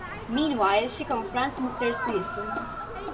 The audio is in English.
Meanwhile, she confronts Mr. Smith.